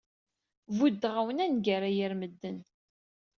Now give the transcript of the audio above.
Buddeɣ-awen angar a yir medden!